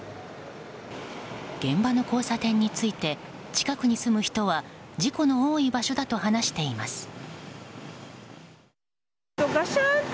現場の交差点について近くに住む人は事故の多い場所だと話しています。